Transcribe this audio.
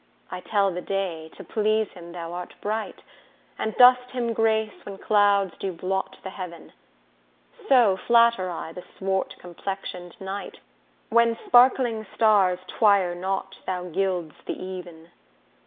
I tell the day, to please him thou art bright, And dost him grace when clouds do blot the heaven: So flatter I the swart complexion'd night, When sparkling stars twire not thou gild'st the even.